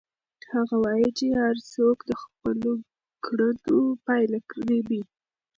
هغه وایي چې هر څوک د خپلو کړنو پایله رېبي.